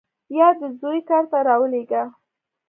یا دې زوی کار ته راولېږه.